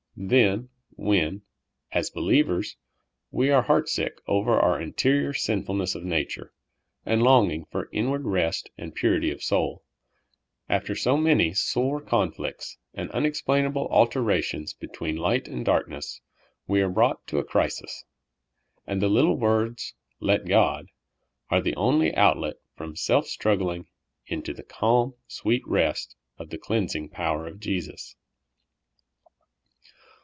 Then when, as believers, we are heart sick over our interior sinfulness of nature, and longing for inward rest and purity of soul, after so many sore conflicts and unexplainable alternations between light and dark ness, we are brought to a crisis, and the little words, let God, '' are the only outlet from self struggling into the calm, sweet rest of the cleansing power of Jesus.